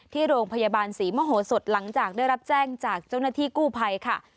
ที่โรงพยาบาลศรีมโหสดหลังจากได้รับแจ้งจากเจ้าหน้าที่กู้ภัยค่ะ